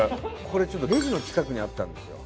これレジの近くにあったんですよ